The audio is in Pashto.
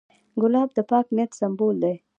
ګلاب د پاک نیت سمبول دی.